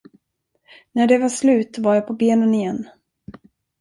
När det var slut, var jag på benen igen.